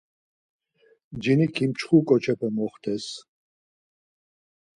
Ciniki mçxu ǩoçepe moxtes.